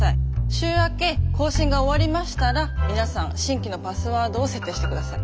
週明け更新が終わりましたら皆さん新規のパスワードを設定して下さい。